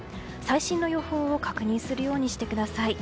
最新の予報を確認するようにしてください。